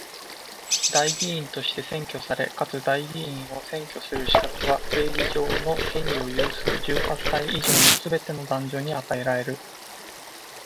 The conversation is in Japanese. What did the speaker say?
代議員として選挙され、かつ代議員を選挙する資格は、政治上の権利を有する十八歳以上のすべての男女に与えられる。